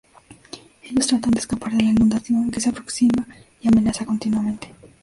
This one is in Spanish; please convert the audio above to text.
Ellos tratan de escapar de la inundación que se aproxima y amenaza continuamente.